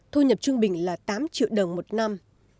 thu nhập trung bình là tám triệu đồng một năm